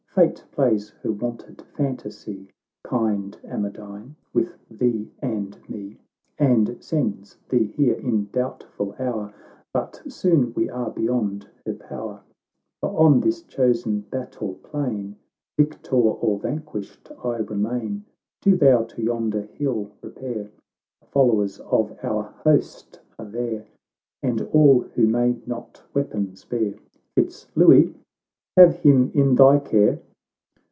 Fate plays her wonted fantasy, Kind Amadine, with thee and me, And sends thee here in doubtful hour. But soon we are beyond her power ; For on this chosen battle plain, "Victor or vanquished, I remain. Do thou to yonder hill repair ; The followers of our host are there, And all who may not weapons bear.— Fitz Louis, have him in thy care.